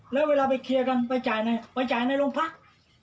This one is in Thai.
แล้วเวลาไปเคลียร์กันไปจ่ายในไปจ่ายในโรงพัก